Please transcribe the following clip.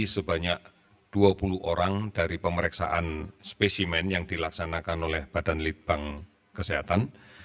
sebanyak dua puluh orang dari pemeriksaan spesimen yang dilaksanakan oleh badan litbang kesehatan